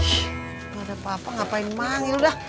ih gak ada apa apa ngapain manggil dah